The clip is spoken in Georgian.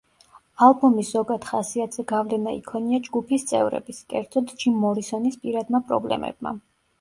ალბომის ზოგად ხასიათზე გავლენა იქონია ჯგუფის წევრების, კერძოდ, ჯიმ მორისონის პირადმა პრობლემებმა.